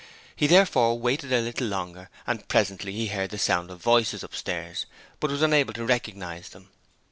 He therefore waited a little longer and presently he heard the sound of voices upstairs but was unable to recognize them.